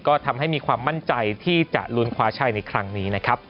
ก็ทำให้มีความมั่นใจที่จะลุ้นคว้าชัยในครั้งนี้นะครับ